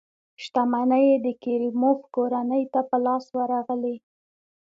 شتمنۍ یې د کریموف کورنۍ ته په لاس ورغلې.